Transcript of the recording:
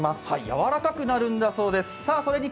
やわらかくなるんだそうです。